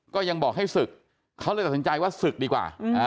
ก็ยังบอกให้ศึกเขาเลยตัดสินใจว่าศึกดีกว่า